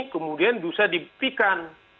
kemudian dusa dipitikan